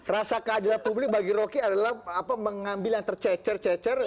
rasa keadilan publik bagi rocky adalah mengambil yang tercecer cecer